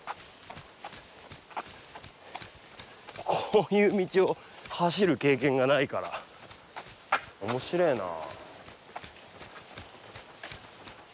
こういう道を走る経験がないから面白えな。